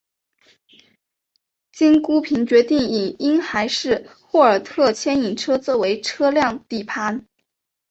经评估决定以婴孩式霍尔特牵引车作为车辆底盘。